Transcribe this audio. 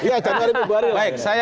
ya januari mibuari lah ya